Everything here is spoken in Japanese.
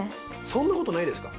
そんなことないですか？